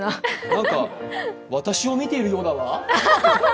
何か私を見ているようだわ。